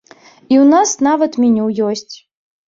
І ў нас нават меню ёсць.